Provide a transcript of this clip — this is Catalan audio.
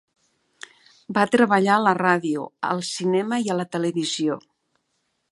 Va treballar a la ràdio, al cinema i a la televisió.